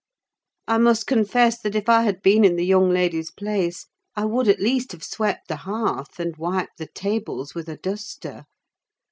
I must confess, that if I had been in the young lady's place, I would, at least, have swept the hearth, and wiped the tables with a duster.